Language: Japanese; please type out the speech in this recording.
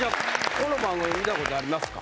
この番組見たことありますか？